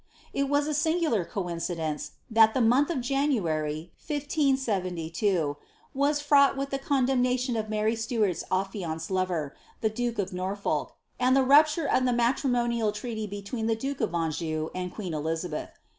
It was a singular coincidence, that tlie month of January, 1572, was fraught with the condemnation of Mary Stuart'^s alhanced lover, the duke of Norfolk, and the rupture of the matrimonial treaty between the duke of Aujnu and queen Elizabeth.